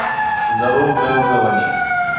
ضرور ڪيو پيو وڃي